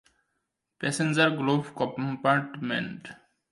Passenger glove কম্পার্টমেন্টে।